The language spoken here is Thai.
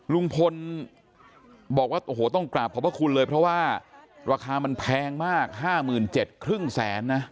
ลุงพลบอกว่าโอ้โหต้องกลับขอบคุณเลยเพราะว่าราคามันแพงมาก๕๗๕๐๐บาทนะ